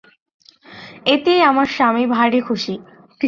এতেই আমার স্বামী ভারি খুশি।